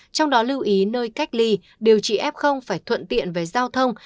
trong đó lưu ý nơi cách ly điều trị f phải thuận tiện về giao thông